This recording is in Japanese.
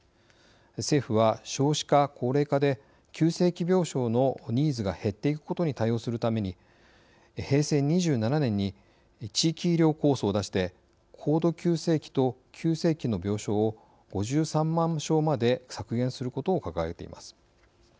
政府は、少子化・高齢化で急性期病床のニーズが減っていくことに対応するために平成２７年に地域医療構想を出して高度急性期と急性期の病床を５３万床まで削減することを掲げています。